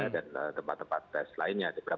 dan tempat tempat tes lainnya